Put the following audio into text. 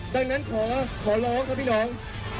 ดังนั้นขอร้องครับพี่น้อง